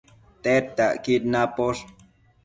Tedtacquid naposh